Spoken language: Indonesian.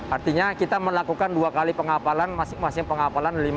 artinya kita melakukan dua kali pengapalan masing masing pengapalan